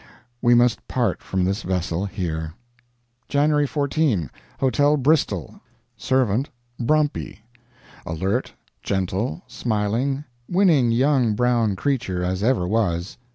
. We must part from this vessel here. January 14. Hotel Bristol. Servant Brompy. Alert, gentle, smiling, winning young brown creature as ever was.